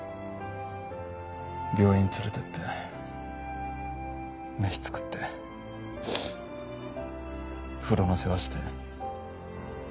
病院連れていって飯作って風呂の世話して。